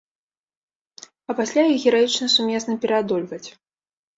А пасля іх гераічна сумесна пераадольваць.